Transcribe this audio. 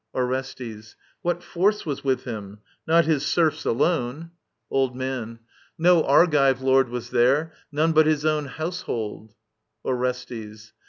Orestes. What force was with him ? Not his serfs alone i Old Man. No Argive lord was there ; none but his own Household. Orestes.